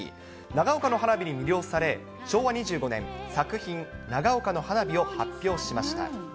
長岡の花火に魅了され、昭和２５年、作品、長岡の花火を発表しました。